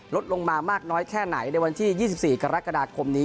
ลดลงมามากน้อยแค่ไหนในวันที่๒๔กรกฎาคมนี้